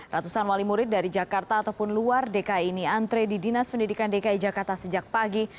ratusan wali murid dari jakarta ataupun luar dki ini antre di dinas pendidikan dki jakarta sejak pagi